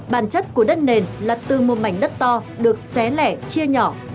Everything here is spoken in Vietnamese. bản chất của đất nền là từ một mảnh đất to được xé lẻ chia nhỏ